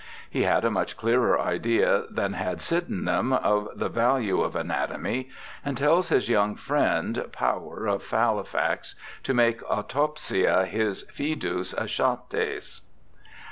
He had a much clearer idea than had Sydenham of the value of anatomy, and tells his young friend, Power of Halifax, to make Aufopsia \\\sfidiis Achates.